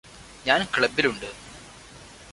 ഞാന് ക്ലബ്ബിലുണ്ട്